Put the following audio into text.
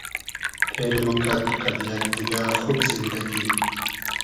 تېر موکئد قئد یئگ دیگۂ خوب زیندئگی